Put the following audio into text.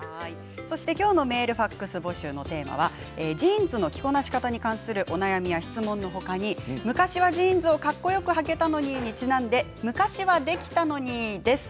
きょうのメールファックス募集のテーマはジーンズの着こなし方に関するお悩みや質問のほかに昔はジーンズをかっこよくはけたのににちなんで昔は、できたのにです。